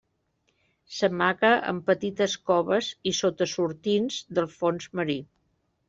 S'amaga en petites coves i sota sortints del fons marí.